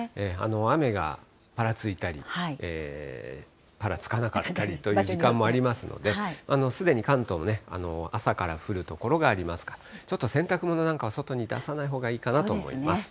雨がぱらついたり、ぱらつかなかったりという時間もありますので、すでに関東のね、朝から降る所がありますから、ちょっと洗濯物なんかは外に出さないほうがいいかなと思います。